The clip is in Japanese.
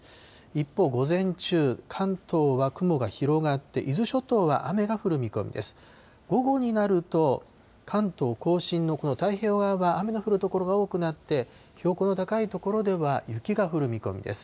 一方、午前中、関東は雲が広がって、伊豆諸島は雨が降る見込みです。